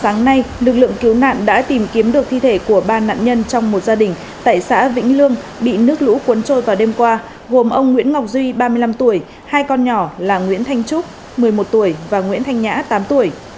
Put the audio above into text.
nguyễn ngọc duy ba mươi năm tuổi hai con nhỏ là nguyễn thanh trúc một mươi một tuổi và nguyễn thanh nhã tám tuổi